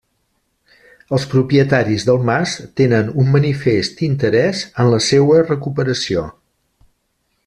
Els propietaris del mas tenen un manifest interès en la seua recuperació.